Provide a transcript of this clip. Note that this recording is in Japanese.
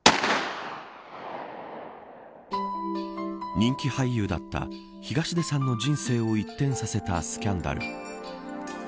人気俳優だった東出さんの人生を一転させたスキャンダル。